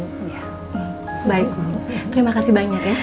baik terima kasih banyak ya